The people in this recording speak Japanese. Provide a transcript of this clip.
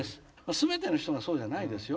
全ての人がそうじゃないですよ。